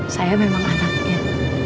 saya memang anaknya